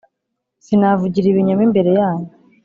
Sinavugira ibinyoma imbere yanyu